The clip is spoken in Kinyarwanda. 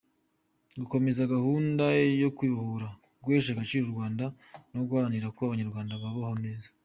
Gukomeza gahunda yo kwibohora, guhesha agaciro u Rwanda, no guharanira ko Abanyarwanda babaho neza;.